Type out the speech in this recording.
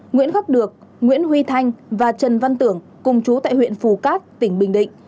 nguyễn khắc được nguyễn huy thanh và trần văn tưởng cùng chú tại huyện phù cát tỉnh bình định